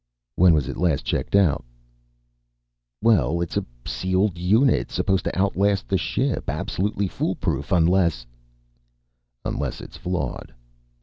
"When was it last checked out?" "Well, it's a sealed unit. Supposed to outlast the ship. Absolutely foolproof, unless " "Unless it's flawed."